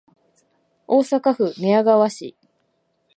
大阪府寝屋川市